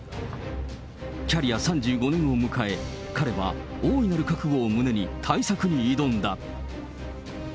キャリア３５年を迎え、彼は大いなる覚悟を胸に、対策に挑んだ。